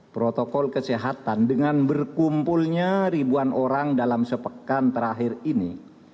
protokol kesehatan dengan berkumpulnya ribuan orang dalam sepekan terakhir ini